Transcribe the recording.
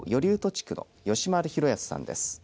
地区の吉丸広泰さんです。